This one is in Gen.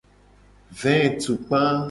Vetukpa.